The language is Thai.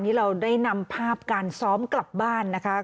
นี่เราได้นำภาพการซ้อมกลับบ้านนะคะ